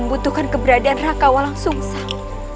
membutuhkan keberadaan rakawa langsung sang